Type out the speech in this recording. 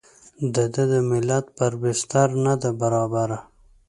د ده د ملت پر بستر نه ده وربرابره.